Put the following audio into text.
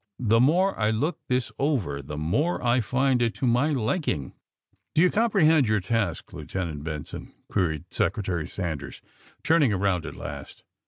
The more I look this over the more I find it to my liking. '' '^Do you comprehend your task, Lieutenant Benson!'' queried Secretary Sanders, turning around at last.